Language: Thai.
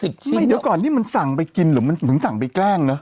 เดี๋ยวก่อนที่มันสั่งไปกินหรือมันถึงสั่งไปแกล้งเนอะ